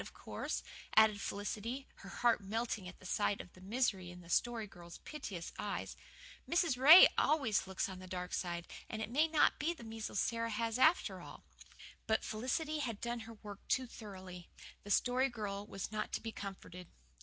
Of course," added Felicity, her heart melting at sight of the misery in the Story Girl's piteous eyes, "Mrs. Ray always looks on the dark side, and it may not be the measles Sara has after all." But Felicity had done her work too thoroughly. The Story Girl was not to be comforted.